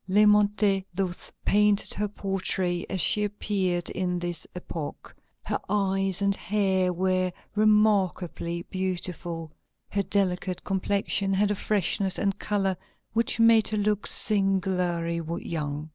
Lémontey thus paints her portrait as she appeared at this epoch: "Her eyes and hair were remarkably beautiful; her delicate complexion had a freshness and color which made her look singularly young.